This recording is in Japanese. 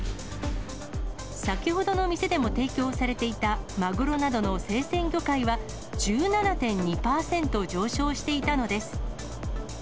先ほどの店でも提供されていたマグロなどの生鮮魚介は１７．２％上昇していたのです。